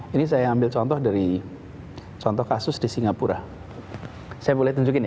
ini saya ambil contoh dari contoh kasus di singapura saya boleh tunjukin ya